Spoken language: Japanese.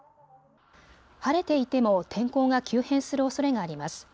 晴れていても天候が急変するおそれがあります。